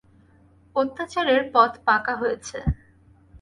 অত্যাচারের পথ পাকা হয়েছে।